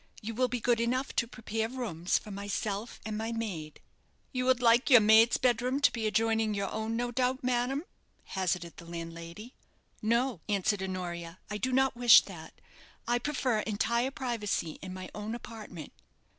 You will be good enough to prepare rooms for myself and my maid." "You would like your maid's bed room to be adjoining your own, no doubt, madam?" hazarded the landlady. "No," answered Honoria; "I do not wish that; I prefer entire privacy in my own apartment."